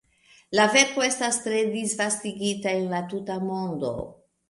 La verko estas tre disvastigata en la tuta mondo.